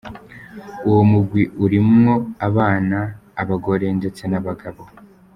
Uwo mugwi urimwo abana, abagore ndetse n'abagabo.